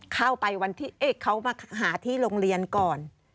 เข้าไปวันที่เขามาหาที่โรงเรียนก่อน